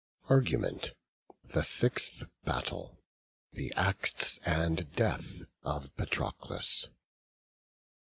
ARGUMENT. THE SIXTH BATTLE; THE ACTS AND DEATH OF PATROCLUS.